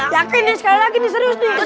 yakin nih sekali lagi ini serius nih